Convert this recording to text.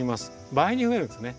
倍に増えるんですね。